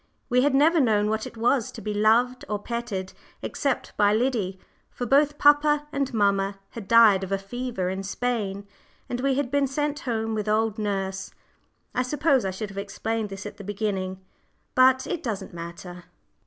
We had never known what it was to be loved or petted, except by Liddy, for both papa and mamma had died of a fever in Spain, and we had been sent home with old nurse. (I suppose I should have explained this at the beginning; but it doesn't matter.)